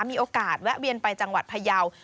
มีโอกาสแวะเวียนไปจังหวัดพยาว